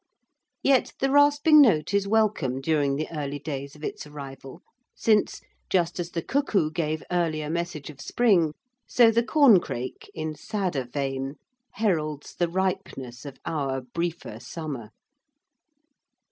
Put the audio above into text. Yet the rasping note is welcome during the early days of its arrival, since, just as the cuckoo gave earlier message of spring, so the corncrake, in sadder vein, heralds the ripeness of our briefer summer.